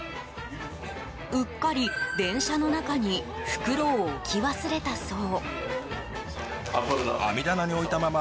うっかり電車の中に袋を置き忘れたそう。